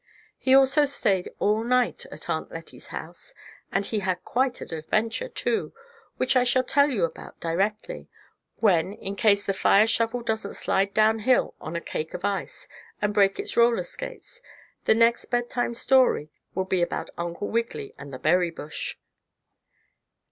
He also stayed all night at Aunt Lettie's house, and he had quite an adventure, too, which I shall tell you about directly, when, in case the fire shovel doesn't slide down hill on a cake of ice and break its roller skates the next bedtime story will be about Uncle Wiggily and the berry bush.